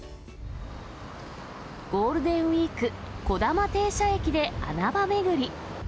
ゴールデンウィーク、こだま停車駅で穴場巡り。